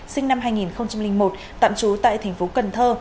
sinh năm hai nghìn một tạm trú tại thành phố cần thơ